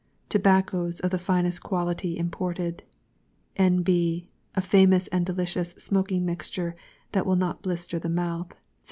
TOBACCOS, of the finest quality imported. N.B. A famous and delicious SMOKING MIXTURE, that will not blister the mouth, 7_s.